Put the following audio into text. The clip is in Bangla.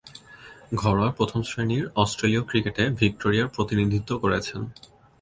ঘরোয়া প্রথম-শ্রেণীর অস্ট্রেলীয় ক্রিকেটে ভিক্টোরিয়ার প্রতিনিধিত্ব করেছেন।